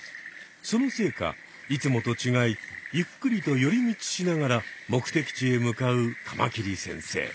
そのせいかいつもとちがいゆっくりと寄り道しながら目的地へ向かうカマキリ先生。